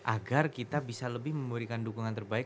agar kita bisa lebih memberikan dukungan terbaik